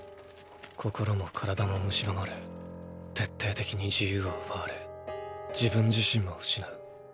心も体も蝕まれ徹底的に自由は奪われ自分自身も失う。